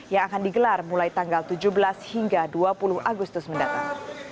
yang akan digelar mulai tanggal tujuh belas hingga dua puluh agustus mendatang